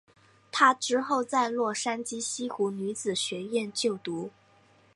她之后在洛杉矶西湖女子学院就读。